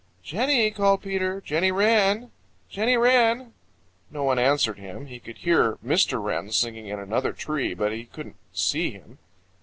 "Jenny!" called Peter. "Jenny Wren! Jenny Wren!" No one answered him. He could hear Mr. Wren singing in another tree, but he couldn't see him.